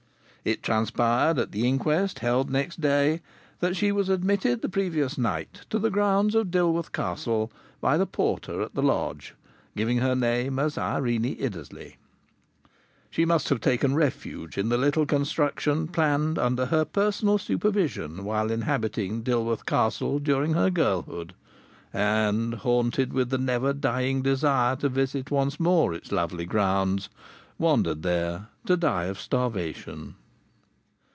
It transpired at the inquest, held next day, that she was admitted the previous night to the grounds of Dilworth Castle by the porter at the lodge, giving her name as "Irene Iddesleigh." She must have taken refuge in the little construction planned under her personal supervision whilst inhabiting Dilworth Castle during her girlhood, and, haunted with the never dying desire to visit once more its lovely grounds, wandered there to die of starvation.